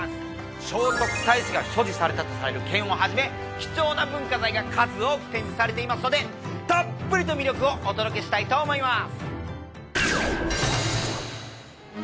聖徳太子が所持されたとされる剣をはじめ貴重な文化財が数多く展示されていますのでたっぷりと魅力をお届けしたいと思います！